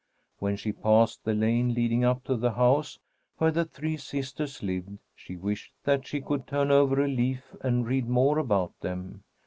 When she passed the lane leading up to the house where the three sisters lived, she wished that she could turn over a leaf and read more about them.